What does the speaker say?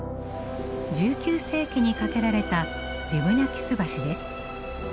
１９世紀に架けられたデュムナキュス橋です。